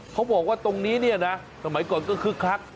เขาบอกว่าตรงนี้เนี่ยนะสมัยก่อนก็คึกคัก